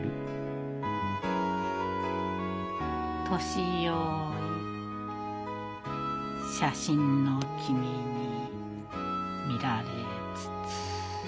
「年用意写真の君に見られつつ」。